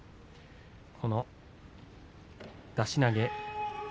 この出し投げ。